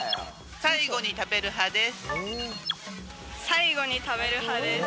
最後に食べる派です。